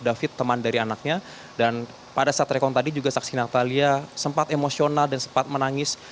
david teman dari anaknya dan pada saat rekon tadi juga saksi natalia sempat emosional dan sempat menangis